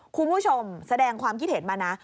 คุณผู้ชมแสดงความคิดเห็นมานะ